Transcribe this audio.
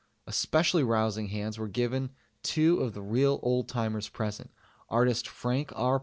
Especially rousing hands were given two of the real old timers present, artist Frank R.